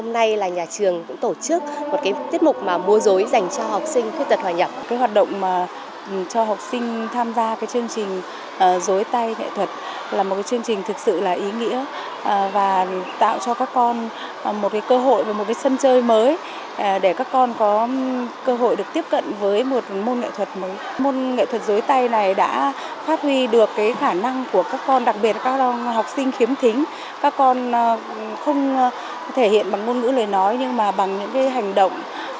đây là một tiết mục mua dối dành cho học sinh khuyết tật hòa nhập